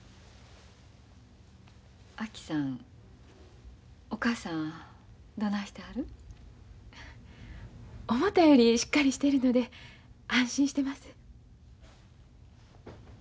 あきさんお母さんどないしてはる？思うたよりしっかりしてるので安心してます。